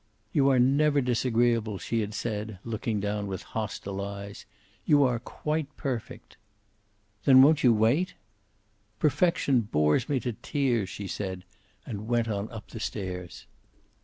"You are never disagreeable," she had said, looking down with hostile eyes. "You are quite perfect." "Then won't you wait?" "Perfection bores me to tears," she said, and went on up the stairs.